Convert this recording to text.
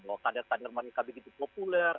bahwa kader kader mereka begitu populer